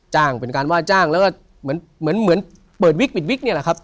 จ้างเป็นการว่าจ้างและเหมือนเปิดวิกปิดวิกเนี่ยครับ